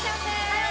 はい！